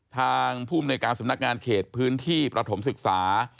ทางภูมิในการสำนักงานเขตพื้นที่ประถมศึกษา